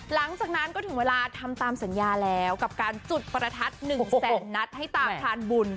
หลังจากนั้นก็ถึงเวลาทำตามสัญญาแล้วกับการจุดประทัด๑แสนนัดให้ตามทานบุญ